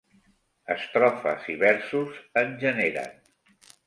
Estrofes i versos en generen.